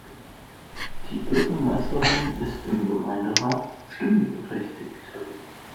Die Bürgermeisterin ist im Gemeinderat stimmberechtigt.